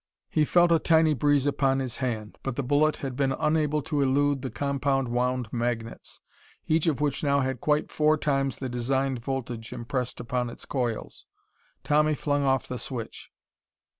He felt a tiny breeze upon his hand. But the bullet had been unable to elude the compound wound magnets, each of which now had quite four times the designed voltage impressed upon its coils. Tommy flung off the switch.